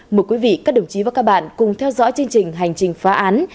mời quý vị các đồng chí và các bạn cùng theo dõi chương trình hành trình phá án